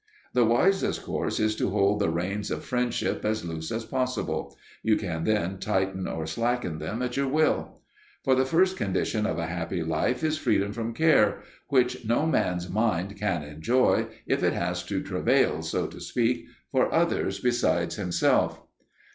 The wisest course is to hold the reins of friendship as loose as possible; you can then tighten or slacken them at your will. For the first condition of a happy life is freedom from care, which no one's mind can enjoy if it has to travail, so to speak, for others besides itself.